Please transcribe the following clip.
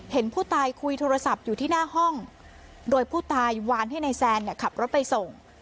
เห็นผู้ตายคุยโทรศัพท์อยู่ที่หน้าห้องโดยผู้ตายวานให้นายแซนขับรถไปส่ง